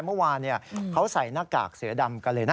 เมื่อวานเขาใส่หน้ากากเสือดำกันเลยนะ